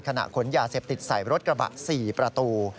ขนยาเสพติดใส่รถกระบะ๔ประตู